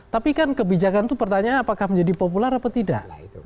tapi kan kebijakan itu pertanyaan apakah menjadi populer atau tidak